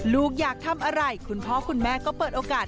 ลูกอยากทำอะไรคุณพ่อคุณแม่ก็เปิดโอกาส